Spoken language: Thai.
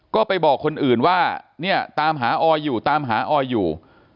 ก็ไปบอกคนอื่นว่าเนี่ยตามหาออยอยู่ตามหาออยอยู่